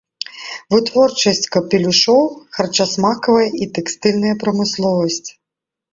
Вытворчасць капелюшоў, харчасмакавая і тэкстыльная прамысловасць.